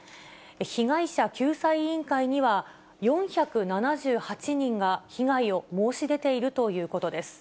被害者救済委員会には、４７８人が被害を申し出ているということです。